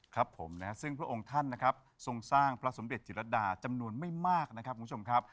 ครับผมนะฮะซึ่งพระองค์ท่านนะครับทรงสร้างพระสมเด็จจิตรดาจำนวนไม่มากนะครับคุณผู้ชมครับ